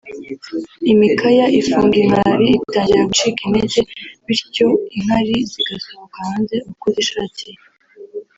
imikaya ifunga inkari itangira gucika intege birtyo inkari zigasohoka hanze uko zishakiye